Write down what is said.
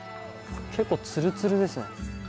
結構ツルツルですね。